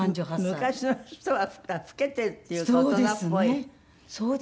昔の人は老けているっていうか大人っぽい。